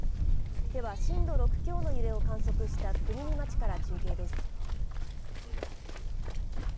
では、震度６強の揺れを観測した国見町から中継です。